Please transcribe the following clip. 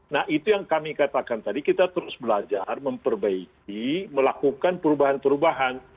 nah itu yang kami katakan tadi kita terus belajar memperbaiki melakukan perubahan perubahan